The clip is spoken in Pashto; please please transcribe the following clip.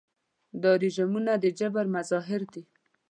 دا رژیمونه د جبر مظاهر دي.